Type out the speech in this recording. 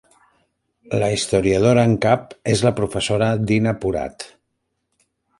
La historiadora en cap és la professora Dina Porat.